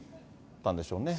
そうでしょうね。